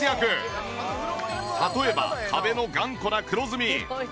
例えば壁の頑固な黒ずみ。